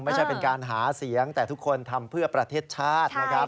ไม่ใช่เป็นการหาเสียงแต่ทุกคนทำเพื่อประเทศชาตินะครับ